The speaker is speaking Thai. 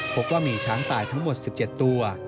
พบว่ามีช้างตายทั้งหมด๑๗ตัว